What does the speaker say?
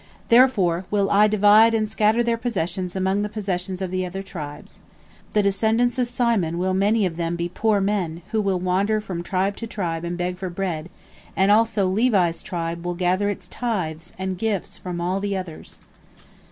Therefore will I divide and scatter their possession among the possessions of the other tribes. The descendants of Simon will many of them be poor men, who will wander from tribe to tribe and beg for bread, and also Levi's tribe will gather its tithes and gifts from all the others."